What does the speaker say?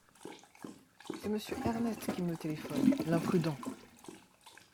C’est monsieur Ernest qui me téléphone, l’imprudent !